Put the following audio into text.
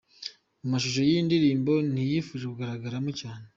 Mu mashusho y’iyi ndirimbo ntiyifuje kugaragaramo cyane.